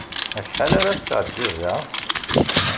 Acḥal ara tesεeddiḍ da?